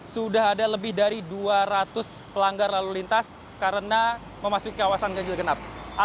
sudah ada lebih dari dua ratus pelanggar lalu lintas karena memasuki kawasan ganjil genap